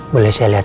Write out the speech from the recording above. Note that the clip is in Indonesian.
boleh saya pikirkan